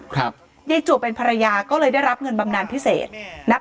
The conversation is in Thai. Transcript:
ครับยายจวบเป็นภรรยาก็เลยได้รับเงินบำนานพิเศษนับ